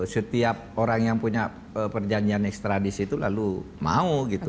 setiap orang yang punya perjanjian ekstradisi itu lalu mau gitu